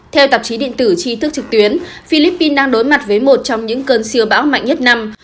theo tạp chí điện tử tri thức trực tuyến philippines đang đối mặt với một trong những cơn siêu bão mạnh nhất năm